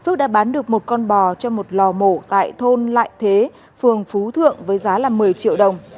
phước đã bán được một con bò cho một lò mổ tại thôn lại thế phường phú thượng với giá là một mươi triệu đồng